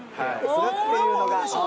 するっていうのが。